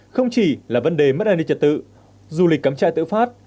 không chỉ là vấn đề mất an ninh trật tự du lịch cắm chai tự phát